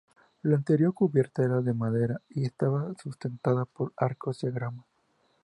La anterior cubierta era de madera y estaba sustentada por arcos diafragma.